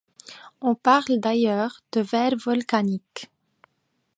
On parle d'ailleurs de verre volcanique.